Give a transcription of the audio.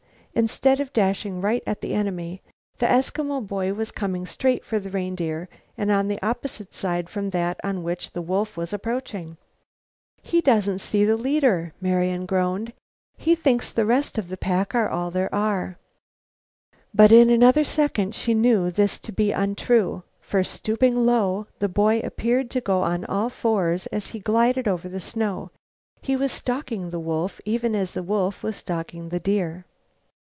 Instead of dashing right at the enemy, the Eskimo boy was coming straight for the reindeer and on the opposite side from that on which the wolf was approaching. "He doesn't see the leader," Marian groaned. "He thinks the rest of the pack are all there are." But in another second she knew this to be untrue, for, stooping low, the boy appeared to go on all fours as he glided over the snow; he was stalking the wolf even as the wolf was stalking the deer.